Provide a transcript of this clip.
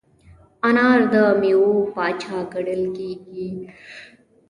انار د میوو پاچا ګڼل کېږي.